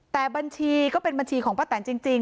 แต่บัญชีก็เป็นบัญชีของป้าแตนจริง